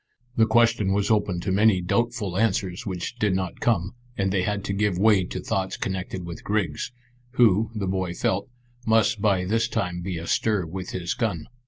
The question was open to many doubtful answers which did not come, and they had to give way to thoughts connected with Griggs, who, the boy felt, must by this time be astir with his gun.